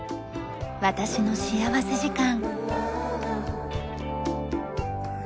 『私の幸福時間』。